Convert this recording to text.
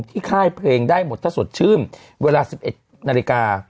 ค่ายเพลงได้หมดถ้าสดชื่นเวลา๑๑นาฬิกา